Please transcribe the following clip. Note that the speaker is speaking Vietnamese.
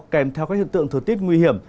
kèm theo các hiện tượng thừa tiết nguy hiểm